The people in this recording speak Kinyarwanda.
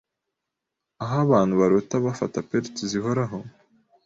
Aho abantu barota bafata pelts zihoraho